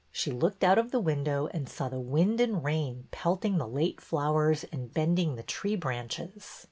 She looked out of the window and saw the wind and the rain pelting the late flowers and bending the tree branches.